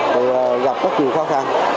thì gặp rất nhiều khó khăn